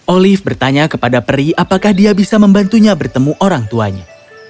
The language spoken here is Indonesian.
olive bertanya kepada peri apakah dia bisa membantunya bertemu orang tuanya